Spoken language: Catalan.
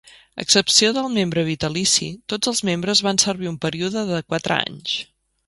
A excepció del membre vitalici, tots els membres van servir un període de quatre anys.